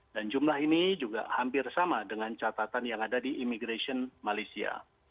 dan jumlah ini juga hampir sama dengan catatan yang ada di immigration malaysia